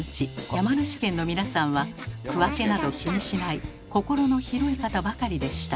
山梨県の皆さんは区分けなど気にしない心の広い方ばかりでした。